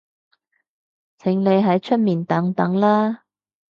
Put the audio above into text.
請你喺出面等等啦